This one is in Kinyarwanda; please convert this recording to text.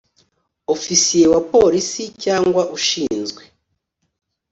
Ofisiye wa polisi cyangwa ushinzwe